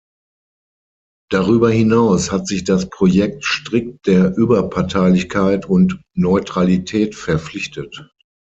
Darüber hinaus hat sich das Projekt strikt der Überparteilichkeit und Neutralität verpflichtet.